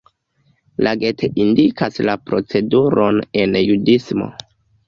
La Get indikas la proceduron en judismo.